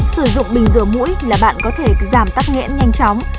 sử dụng bình rửa mũi là bạn có thể giảm tắc nghẽn nhanh chóng